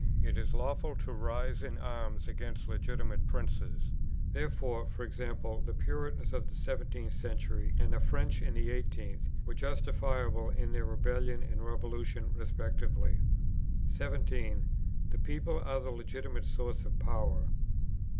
It is lawful to rise in arms against legitimate princes. Therefore, e.g. the Puritans in the 17th century, and the French in the 18th, were justifiable in their Rebellion and Revolution respectively. 17. The people are the legitimate source of power.